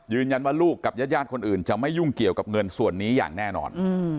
ลูกกับญาติคนอื่นจะไม่ยุ่งเกี่ยวกับเงินส่วนนี้อย่างแน่นอน